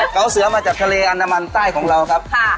เกาเสือมาจากทะเลอันดามันใต้ของเราครับ